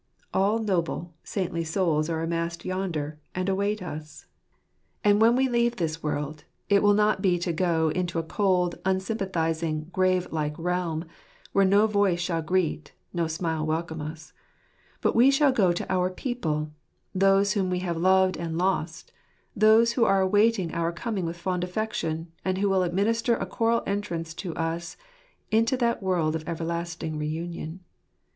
All noble, saintly souls are assembled yonder, and await us, K *4 6 Jcrseplr at tlr* geatb glsir nf Jacob, And when we leave this world, it will not be to go into a cold, unsympathizing, grave like realm, where no voice shall greet, no smile welcome us. But we shall go to our people; those whom we have loved and lost; those who are awaiting our coming with fond affection, and who will administer a choral entrance to us into that world of everlasting re union.